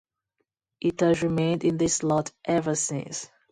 It has remained in this slot ever since.